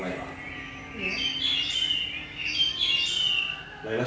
malah didiamin saja